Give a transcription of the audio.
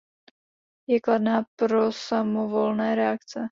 Je kladná pro samovolné reakce.